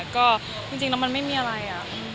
ก็จริงแล้วมันไม่มีอะไร